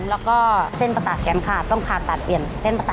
สลักษรนี้เรื่องใหญ่นะ